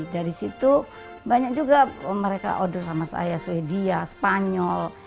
dari situ banyak juga mereka order sama saya sweden spanyol